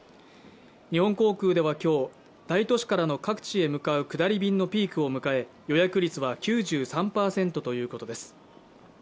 日本航空では今日、大都市から各地へ向かう下り便のピークを迎え予約率は９３％ということです。